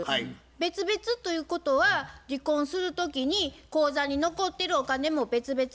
別々ということは離婚する時に口座に残ってるお金も別々。